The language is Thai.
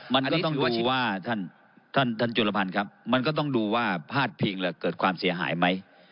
มันก็ต้องดูว่าท่านจุดละพันครับมันก็ต้องดูว่าพาดพิงเกิดความเสียหายไหม